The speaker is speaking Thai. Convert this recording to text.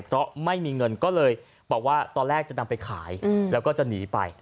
เพราะไม่มีเงินก็เลยบอกว่าตอนแรกจะนำไปขายแล้วก็จะหนีไป